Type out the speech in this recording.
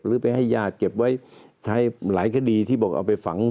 หรือไปให้ญาติเก็บไว้ใช้หลายคดีที่บอกเอาไปฝัง